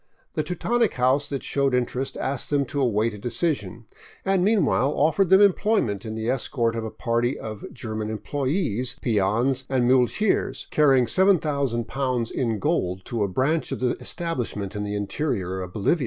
The Teutonic house that showed interest asked them to await a decision, and meanwhile offered them employment in the escort of a party of German employees, peons, and muleteers car rying i'jooo in gold to a branch of the establishment in the interior of Bolivia.